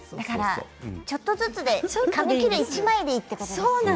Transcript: ちょっとずつで、紙切れ１枚でいいということですよね。